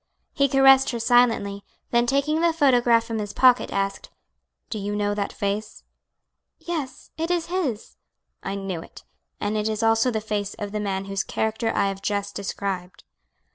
He caressed her silently, then taking the photograph from his pocket, asked, "Do you know that face?" "Yes, it is his." "I knew it, and it is also the face of the man whose character I have just described."